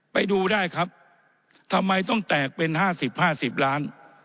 ไปดูได้ครับทำไมต้องแตกเป็น๕๐๕๐ล้าน